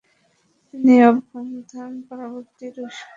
তিনি অভ্যুত্থান-পরবর্তী রুশকরণ নীতি থেকে লাভবান হন।